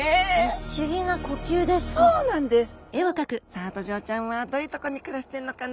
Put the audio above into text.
さあドジョウちゃんはどういうとこに暮らしてんのかな？